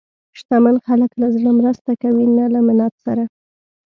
شتمن خلک له زړه مرسته کوي، نه له منت سره.